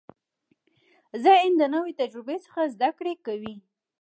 ذهن د نوې تجربې څخه زده کړه کوي.